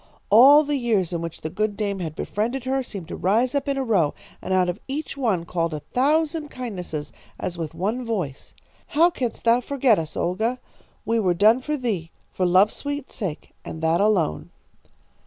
All the years in which the good dame had befriended her seemed to rise up in a row, and out of each one called a thousand kindnesses as with one voice: 'How canst thou forget us, Olga? We were done for thee, for love's sweet sake, and that alone.'